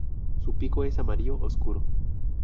Su pico es amarillo oscuro.